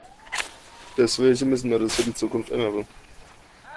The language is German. Deswegen müssen wir das für die Zukunft ändern!